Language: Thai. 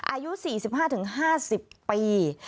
อายุ๔๕๕๐ปี